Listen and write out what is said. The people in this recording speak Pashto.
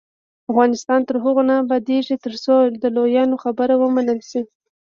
افغانستان تر هغو نه ابادیږي، ترڅو د لویانو خبره ومنل شي.